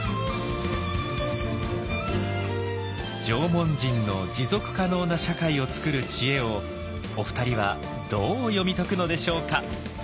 縄文人の持続可能な社会を作る知恵をお二人はどう読み解くのでしょうか。